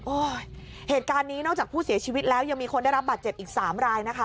เหตุการณ์นี้นอกจากผู้เสียชีวิตแล้วยังมีคนได้รับบาดเจ็บอีก๓รายนะคะ